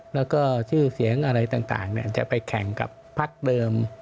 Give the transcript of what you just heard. แล้วก็ชื่อเสียงอะไรต่างจะไปแข่งกับพักเดิม